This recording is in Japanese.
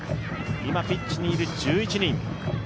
今、ピッチにいる１１人。